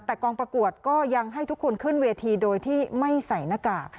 แต่กองประกวดก็ยังให้ทุกคนขึ้นเวทีโดยที่ไม่ใส่หน้ากาก